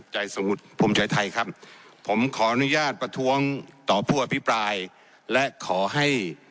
สมุทรภูมิใจไทยครับผมขออนุญาตประท้วงต่อผู้อภิปรายและขอให้